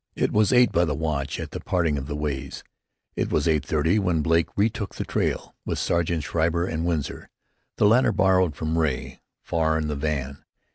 It was eight by the watch at the parting of the ways. It was 8:30 when Blake retook the trail, with Sergeants Schreiber and Winsor, the latter borrowed from Ray, far in the van.